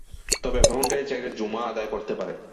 তবে ভ্রমণকারী চাইলে জুমা আদায় করতে পারে।